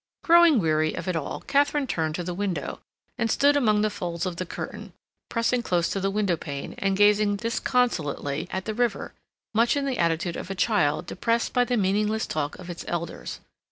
Growing weary of it all, Katharine turned to the window, and stood among the folds of the curtain, pressing close to the window pane, and gazing disconsolately at the river much in the attitude of a child depressed by the meaningless talk of its elders.